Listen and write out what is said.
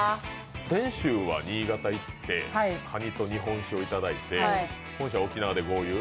先週は新潟行って、かにと日本酒を頂いて、今週は沖縄で豪遊？